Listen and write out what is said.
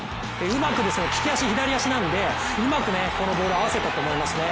利き足、左足なんでうまくこのボール合わせたと思いますね。